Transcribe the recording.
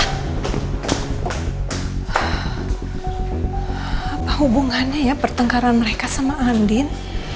apa hubungannya ya pertengkaran mereka sama andin